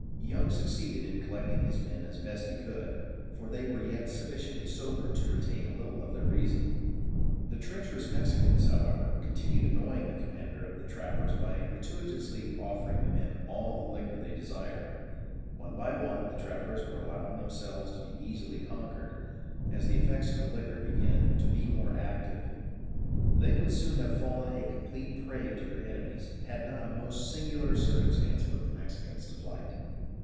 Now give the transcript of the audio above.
Young succeeded in collecting his men as best he could, for they were yet sufficiently sober to retain a little of their reason. The treacherous Mexicans, however, continued annoying the commander of the trappers by gratuitously offering the men all the liquor they desired. One by one, the trappers were allowing themselves to be easily conquered, as the effects of the liquor began to be more active. They would soon have fallen a complete prey to their enemies, had not a most singular circumstance put the Mexicans to flight.